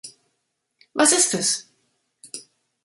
Was ist es?